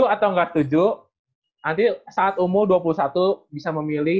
atau enggak tujuh nanti saat umur dua puluh satu bisa memilih